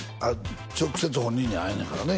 直接本人に会えんのやからね